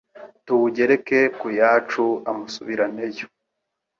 tuwugereke ku yacu amusubiraneyo